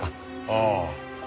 ああ。